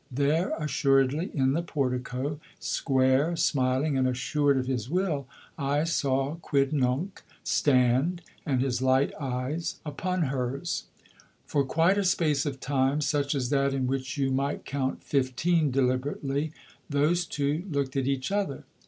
There, assuredly, in the portico, square, smiling and assured of his will, I saw Quidnunc stand, and his light eyes upon hers. For quite a space of time, such as that in which you might count fifteen deliberately, those two looked at each other.